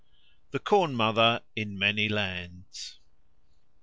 The Corn Mother in Many Lands 1.